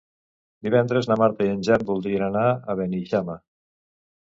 Divendres na Marta i en Jan voldrien anar a Beneixama.